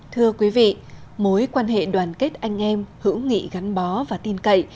thưa quý vị mối quan hệ đoàn kết anh em hữu nghị gắn bó và tin cậy